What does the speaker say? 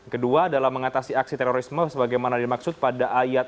kedua adalah mengatasi aksi terorisme sebagaimana dimaksud pada ayat tiga